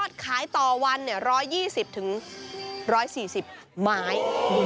ใช้ต่อวันเนี่ย๑๒๐๑๔๐ไม้